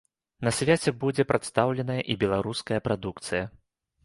На свяце будзе прадстаўленая і беларуская прадукцыя.